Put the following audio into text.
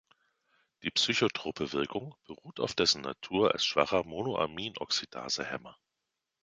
Die psychotrope Wirkung beruht auf dessen Natur als schwacher Monoaminooxidase-Hemmer.